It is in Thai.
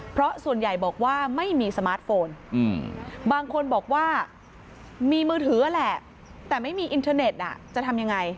เพราะส่วนใหญ่บอกว่าไม่มีสมาร์ทโฟนบางคนบอกว่ามีมือถือแหละแต่ไม่มีอินเทอร์เน็ตจะทำยังไง